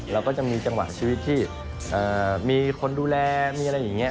เราก็จะมีจังหวะชีวิตที่มีคนดูแลมีอะไรอย่างนี้